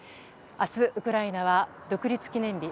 明日、ウクライナは独立記念日。